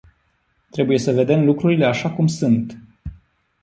Trebuie să vedem lucrurile așa cum sunt.